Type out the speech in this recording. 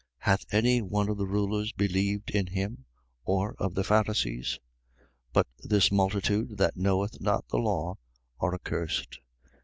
7:48. Hath any one of the rulers believed in him, or of the Pharisees? 7:49. But this multitude, that knoweth not the law, are accursed.